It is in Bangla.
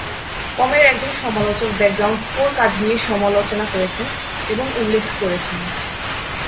কমের একজন সমালোচক ব্যাকগ্রাউন্ড স্কোর কাজ নিয়ে সমালোচনা করেছেন এবং উল্লেখ করেছেন।